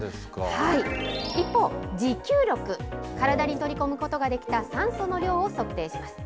一方、持久力、体に取り込むことができた酸素の量を測定します。